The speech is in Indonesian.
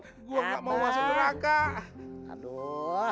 gue nggak mau masuk neraka